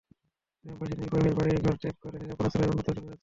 গ্রামবাসী নিরুপায় হয়েই বাড়িঘর ত্যাগ করে নিরাপদ আশ্রয়ে অন্যত্র চলে যাচ্ছে।